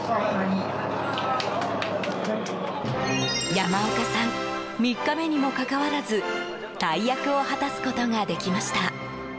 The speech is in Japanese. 山岡さん３日目にもかかわらず大役を果たすことができました。